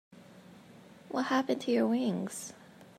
What happened to your wings?